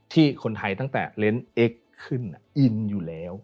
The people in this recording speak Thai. ที่คนไทยตั้งแต่เล้นเอ็กซ์ขึ้นอินอยู่แล้ว